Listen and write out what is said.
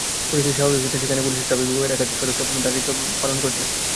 পরিস্থিতি স্বাভাবিক রাখতে সেখানে পুলিশের ট্রাফিক বিভাগের একাধিক সদস্য দায়িত্ব পালন করছেন।